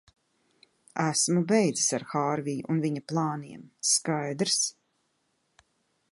Esmu beidzis ar Hārviju un viņa plāniem, skaidrs?